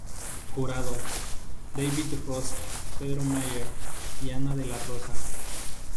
Jurado: David Ross, Pedro Meyer y Ana de la Rosa.